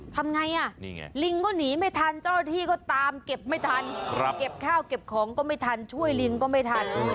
ทำไงลิงก็หนีไม่ทันเจ้าหน้าที่ก็ตามเก็บไม่ทันเก็บข้าวเก็บของก็ไม่ทันช่วยลิงก็ไม่ทัน